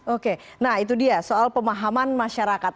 oke nah itu dia soal pemahaman masyarakat